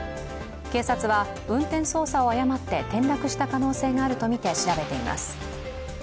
警察は運転操作を誤って転落した可能性があるとみて調べています。